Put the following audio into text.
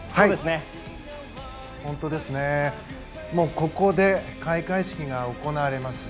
ここで開会式が行われます。